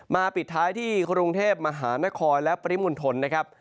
ปิดท้ายที่กรุงเทพมหานครและปริมณฑลนะครับ